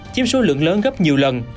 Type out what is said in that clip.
chiếm số lượng lớn gấp nhiều lần